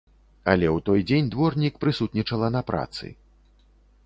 Але ў той дзень дворнік прысутнічала на працы.